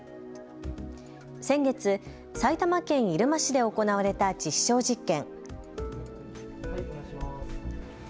先月、埼玉県入間市で行われた実証実験。